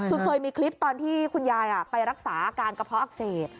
คือเคยมีคลิปตอนที่คุณยายไปรักษาอาการกระเพาะอักเสบ